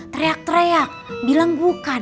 teriak teriak bilang bukan